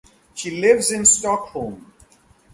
She lives in Stockholm.